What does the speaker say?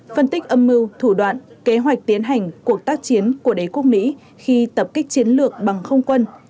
phân tích âm mưu thủ đoạn kế hoạch tiến hành cuộc tác chiến của đế quốc mỹ khi tập kích chiến lược bằng không quân